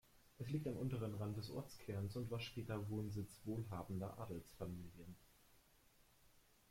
Es liegt am unteren Rand des Ortskerns und war später Wohnsitz wohlhabender Adelsfamilien.